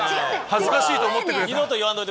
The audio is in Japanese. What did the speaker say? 恥ずかしいと思ってくれた。